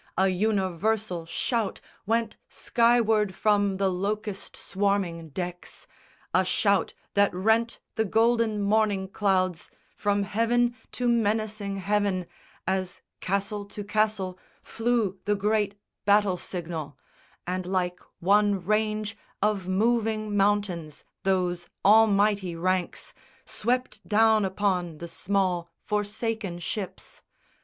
A universal shout Went skyward from the locust swarming decks, A shout that rent the golden morning clouds From heaven to menacing heaven, as castle to castle Flew the great battle signal, and like one range Of moving mountains, those almighty ranks Swept down upon the small forsaken ships!